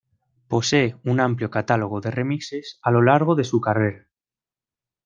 Posee un amplio catálogo de remixes a lo largo de su carrera.